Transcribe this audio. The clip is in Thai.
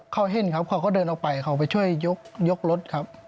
เขาเห็นครับเขาก็เดินออกไปเขาไปช่วยยกรถครับ